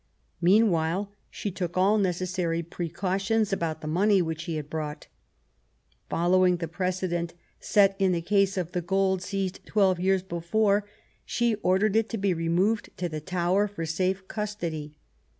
Meanwhile she took all necessary precautions about the money which he had brought. Following the precedent set in the care of the gold seized twelve years before, she ordered it to be removed to the THE CRISIS, 207 Tower for safe custody.